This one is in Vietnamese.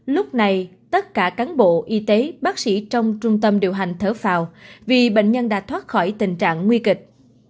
lúc này tất cả cán bộ y tế bác sĩ trong trung tâm điều hành thở phào vì bệnh nhân đã thoát khỏi tình trạng nguy kịch